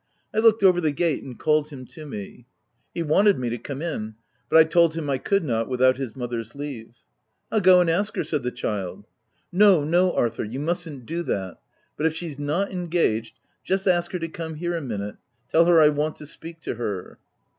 I looked over the gate and called him to me. He wanted me to come in ; but I told him I could not without his mother's leave. " I'll go and ask her," said the child. * No, no, Arthur, you mustn't do that, — but if she's not engaged, just ask her to come here a minute : tell her I want to speak to her."